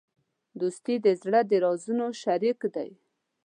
دوستي د زړه د رازونو شریک دی.